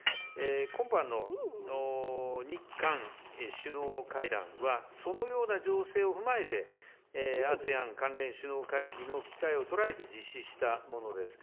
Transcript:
今般の日韓首脳会談は、そのような情勢を踏まえて、ＡＳＥＡＮ関連首脳会議の機会を捉えて実施したものです。